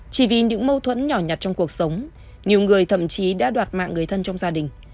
chỉ vì những mâu thuẫn nhỏ nhặt trong cuộc sống nhiều người thậm chí đã đoạt mạng người thân trong gia đình